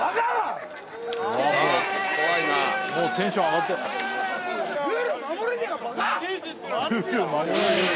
テンション上がってる。